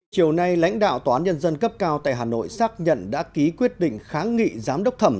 chiều nay lãnh đạo tòa án nhân dân cấp cao tại hà nội xác nhận đã ký quyết định kháng nghị giám đốc thẩm